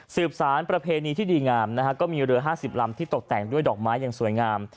สารประเพณีที่ดีงามนะฮะก็มีเรือ๕๐ลำที่ตกแต่งด้วยดอกไม้อย่างสวยงาม